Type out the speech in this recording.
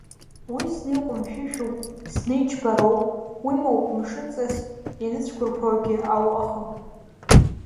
Уи зны иҟәымшәышәуп, зны иџьбароуп, уимоу мшынҵас ианыцәқәырԥогьы ауҟахым.